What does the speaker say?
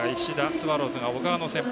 スワローズが小川の先発。